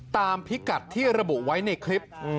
พิกัดที่ระบุไว้ในคลิป